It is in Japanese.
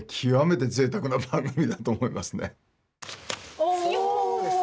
お！